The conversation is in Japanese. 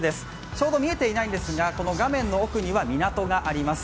ちょうど見えていないんですが、画面の奥には港があります。